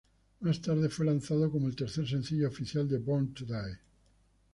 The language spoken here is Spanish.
Más tarde fue lanzado como el tercer sencillo oficial de "Born to Die".